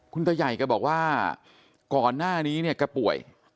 คุณตะใหยก็บอกว่าก่อนหน้านี้ก็ป่วย